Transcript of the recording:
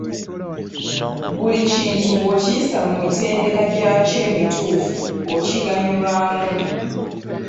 Buli kintu bw’okiyisa mu mitendera gyakyo emituufu okigannyulwamu.